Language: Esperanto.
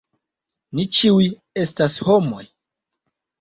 Ni ĉiuj estas homoj.